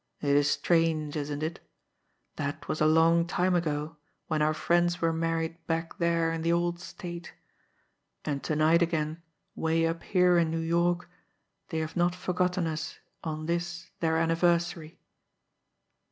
"It is strange, isn't it? That was a long time ago when our friends were married back there in the old State, and to night again, way up here in New York, they have not forgotten us on this their anniversary."